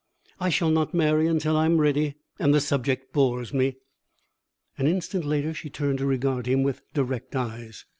I shall not marry until I am ready, and the subject bores me." An instant later she turned to regard him with direct eyes.